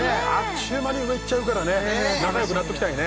ちゅう間に上いっちゃうからね仲良くなっときたいね